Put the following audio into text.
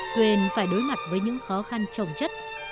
quyền phải đối mặt với những khó khăn trồng chất